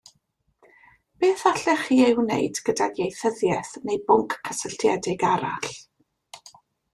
Beth allech chi ei wneud gydag ieithyddiaeth neu bwnc cysylltiedig arall?